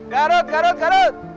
garut garut garut